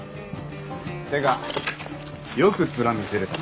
てかよくツラ見せれたな。